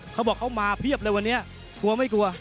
เขาบอกเขามาเพียบเลยวันนี้กลัวไม่กลัว